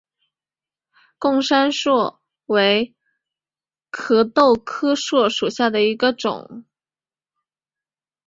贡山栎为壳斗科栎属下的一个种。